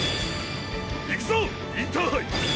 行くぞインターハイ！